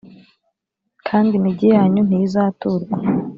kandi imigi yanyu ntizaturwa